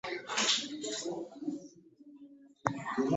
Ppikipiki emusanze bbali wa luguudo n'emutomera n'afiirawo